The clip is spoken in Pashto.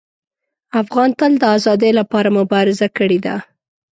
افغان تل د ازادۍ لپاره مبارزه کړې ده.